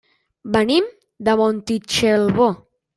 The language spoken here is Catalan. Venim de Montitxelvo.